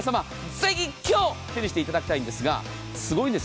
ぜひ今日手にしていただきたいんですがすごいです。